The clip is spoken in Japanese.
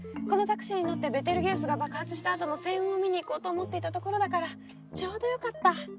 このタクシーに乗ってベテルギウスが爆発したあとの星雲を見に行こうと思っていたところだからちょうどよかった。